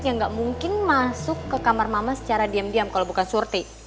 yang nggak mungkin masuk ke kamar mama secara diam diam kalau bukan surti